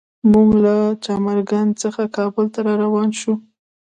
موږ له چمر کنډ څخه کابل ته روان شولو.